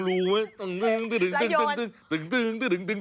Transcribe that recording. แล้วก็โยน